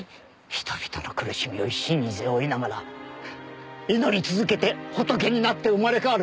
人々の苦しみを一身に背負いながら祈り続けて仏になって生まれ変わる。